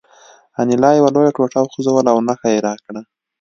انیلا یوه لویه ټوټه وخوځوله او نښه یې راکړه